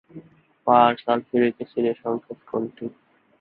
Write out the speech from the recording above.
সংবিধিবদ্ধ সংস্থা হিসেবে জাতীয় আইনগত সহায়তা প্রদান সংস্থা প্রতিষ্ঠা করে।